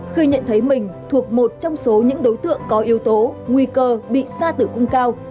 khi nhận thấy mình thuộc một trong số những đối tượng có yếu tố nguy cơ bị xa tử cung cao